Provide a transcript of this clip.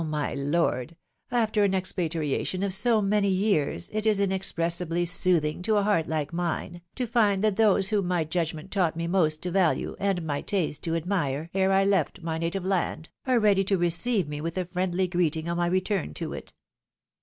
my lord ! after an expatriation of so many years, it is inexpressibly soothing to a heart like mine, to find that those whom my judgment taught me most to value, and my taste to admire, ere I left my native land, are ready to receive me with a friendly greeting on my retvurn to it."